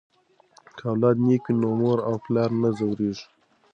که اولاد نیک وي نو مور او پلار نه ځورېږي.